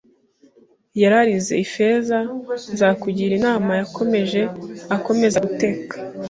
yararize. “Ifeza! Nzakugira inama. ”Yakomeje akomeza guteka